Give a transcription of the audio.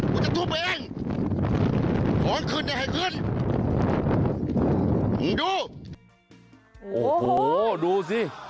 กูจะทุบเองขอให้ขึ้นอย่าให้ขึ้นมึงดูโอ้โหดูสิ